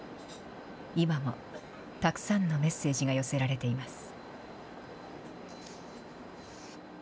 今もたくさんのメッセージが寄せられています。